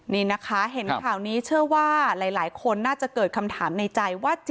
นี่นะคะเห็นข่าวนี้เชื่อว่าหลายคนน่าจะเกิดคำถามในใจว่า